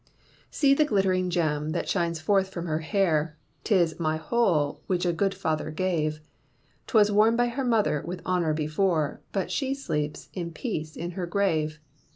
See the glittering gem that shines forth from her hair 'Tis my whole, which a good father gave; Twas worn by her mother with honour before But she sleeps in peace in her grave.